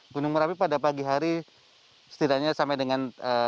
gunung merapi pada pagi hari setidaknya sampai dengan